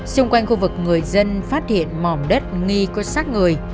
xung quanh khu vực người dân phát hiện mỏm đất nghi có sát người